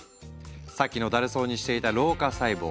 さっきのだるそうにしていた老化細胞。